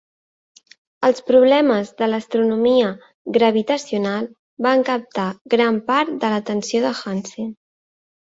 Els problemes de l'astronomia gravitacional van captar gran part de l'atenció de Hansen.